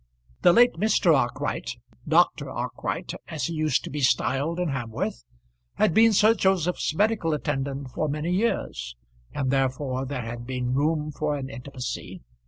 The late Mr. Arkwright, Dr. Arkwright as he used to be styled in Hamworth, had been Sir Joseph's medical attendant for many years, and therefore there had been room for an intimacy.